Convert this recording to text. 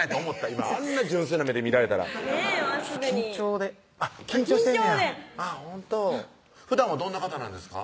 今あんな純粋な目で見られたら緊張で緊張してんねやほんとふだんはどんな方なんですか？